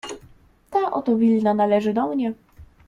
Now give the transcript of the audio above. "Ta oto willa należy do mnie."